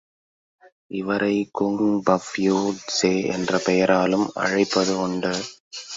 இவரை குங் பப்யூ ட்ஸெ என்ற பெயராலும் அழைப்பது உண்டு.